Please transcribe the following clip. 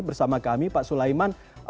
bersama kami pak sulaiman